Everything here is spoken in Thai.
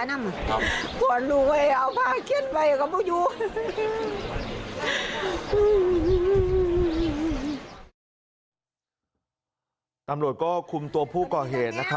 ตำรวจก็คุมตัวผู้ก่อเหตุนะครับ